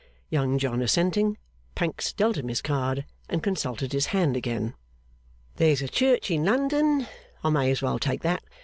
Young John assenting, Pancks dealt him his card, and consulted his hand again. 'There's a Church in London; I may as well take that.